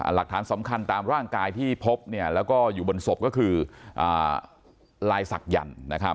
หลักฐานสำคัญตามร่างกายที่พบแล้วก็อยู่บนศพก็คือลายศักยันต์